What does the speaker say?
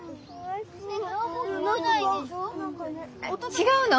違うの。